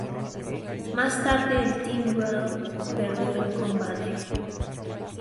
Más tarde, el Team Raw perdió el combate.